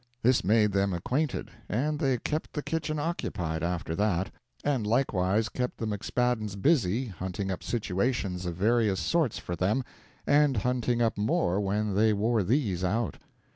This made them acquainted, and they kept the kitchen occupied after that, and likewise kept the McSpaddens busy hunting up situations of various sorts for them, and hunting up more when they wore these out.